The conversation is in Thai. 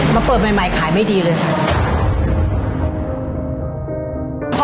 มาเปิดใหม่ขายไม่ดีเลยค่ะ